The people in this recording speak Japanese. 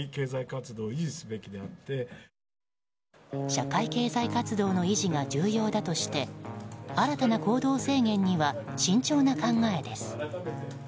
社会経済活動の維持が重要だとして新たな行動制限には慎重な考えです。